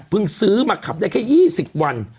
ซื้อมาขับได้แค่๒๐วัน